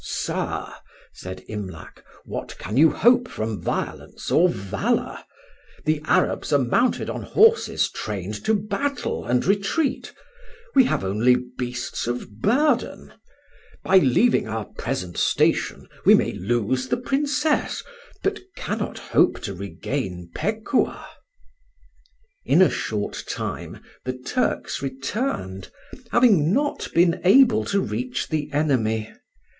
"Sir," said Imlac, "what can you hope from violence or valour? The Arabs are mounted on horses trained to battle and retreat; we have only beasts of burden. By leaving our present station we may lose the Princess, but cannot hope to regain Pekuah." In a short time the Turks returned, having not been able to reach the enemy.